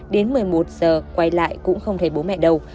đến một mươi một giờ quay lại cũng không thấy bố mẹ đâu